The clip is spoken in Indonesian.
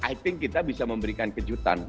i think kita bisa memberikan kejutan